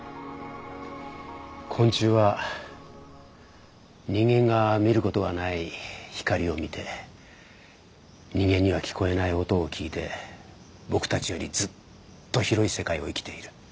昆虫は人間が見る事はない光を見て人間には聞こえない音を聞いて僕たちよりずっと広い世界を生きている。